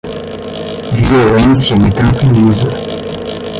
Violência me tranquiliza.